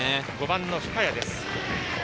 ５番、深谷です。